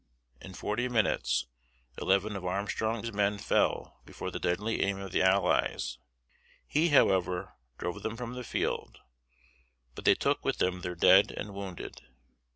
In forty minutes, eleven of Armstrong's men fell before the deadly aim of the allies. He, however, drove them from the field, but they took with them their dead and wounded.